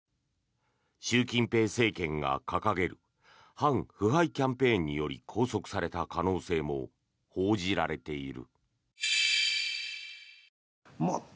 習近平政権が掲げる反腐敗キャンペーンにより拘束された可能性も報じられている。